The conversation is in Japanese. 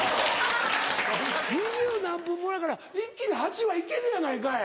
２０何分ものやから一気に８話いけるやないかい。